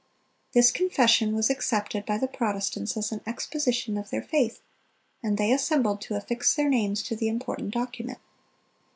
This Confession was accepted by the Protestants as an exposition of their faith, and they assembled to affix their names to the important document.